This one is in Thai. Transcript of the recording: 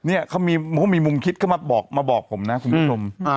เนี่ยเขามีมุมคิดเข้ามาบอกมาบอกผมนะคุณผู้ชม